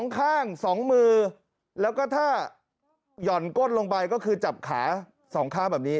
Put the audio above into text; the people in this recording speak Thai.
ข้าง๒มือแล้วก็ถ้าหย่อนก้นลงไปก็คือจับขา๒ข้างแบบนี้